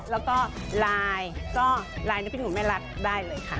แล้วก็ไลน์ก็ไลน์นึกผิดของแม่รัฐได้เลยค่ะ